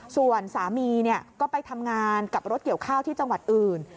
ส่วนสามีก็ไปทำงานกับรถเกี่ยวข้าวที่จังหวัดอื่น